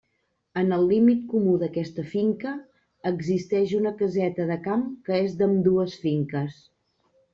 En el límit comú d'aquesta finca, existeix una caseta de camp que és d'ambdues finques.